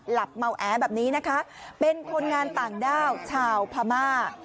หลับเมาแอแบบนี้นะคะเป็นคนงานต่างด้าวชาวพม่า